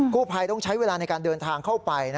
ผู้ภัยต้องใช้เวลาในการเดินทางเข้าไป